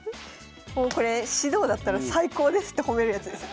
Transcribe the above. もうこれ指導だったら最高ですって褒めるやつです。